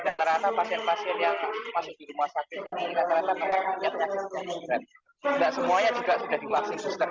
rata rata pasien pasien yang masuk di rumah sakit ini rata rata mereka punya penyakit yang tidak semuanya juga sudah dilaksin